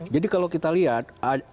jadi kalau kita lihat